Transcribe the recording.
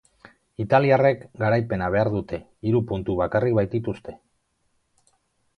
Italiarrek garaipena behar dute, hiru puntu bakarrik baitituzte.